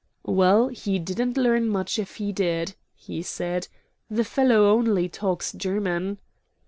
"Well, he didn't learn much if he did," he said. "The fellow only talks German."